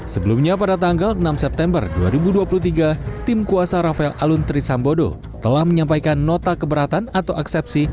sebelumnya pada tanggal enam september dua ribu dua puluh tiga tim kuasa rafael alun trisambodo telah menyampaikan nota keberatan atau eksepsi